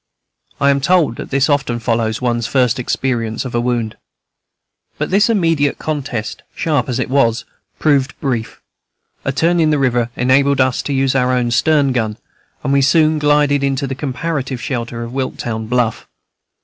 I am told that this often follows one's first experience of a wound. But this immediate contest, sharp as it was, proved brief; a turn in the river enabled us to use our stern gun, and we soon glided into the comparative shelter of Wiltown Bluff.